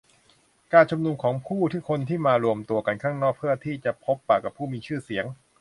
การชุมนุมของผู้คนที่มารวมตัวกันข้างนอกเพื่อที่จะพบปะกับผู้มีชื่อเสียง